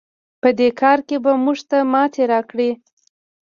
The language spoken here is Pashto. په دې کار کې به موږ ته ماتې راکړئ.